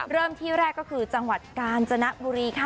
เริ่มที่แรกก็คือจังหวัดกาญจนบุรีค่ะ